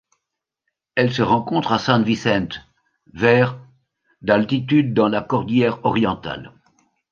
Elle se rencontre à San Vicente vers d'altitude dans la cordillère Orientale.